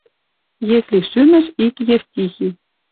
Если шӱмӹш ик Евтихи